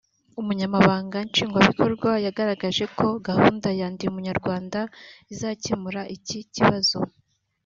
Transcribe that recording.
Umunyamabanga Nshingwabikorwa yagaragaje ko gahunda ya Ndi Umunyarwanda izakemura iki kibazo